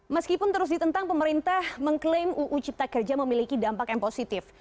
meskipun terus ditentang pemerintah mengklaim uu cipta kerja memiliki dampak yang positif